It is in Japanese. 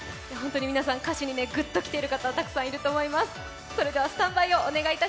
皆さん、歌詞にグッときてる方、たくさんいると思います。